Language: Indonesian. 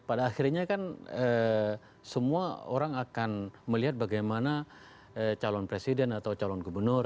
pada akhirnya kan semua orang akan melihat bagaimana calon presiden atau calon gubernur